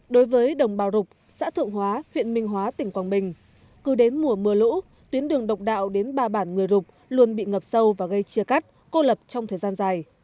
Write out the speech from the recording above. đối với đồng bào rục xã thượng hóa huyện minh hóa tỉnh quảng bình cứ đến mùa mưa lũ tuyến đường độc đạo đến ba bản người rục luôn bị ngập sâu và gây chia cắt cô lập trong thời gian dài